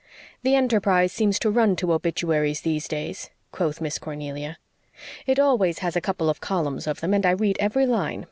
"The Enterprise seems to run to obituaries these days," quoth Miss Cornelia. "It always has a couple of columns of them, and I read every line.